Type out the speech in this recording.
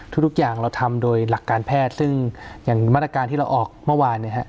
ทุกอย่างเราทำโดยหลักการแพทย์ซึ่งอย่างมาตรการที่เราออกเมื่อวานเนี่ยฮะ